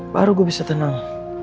baru gue bisa tenang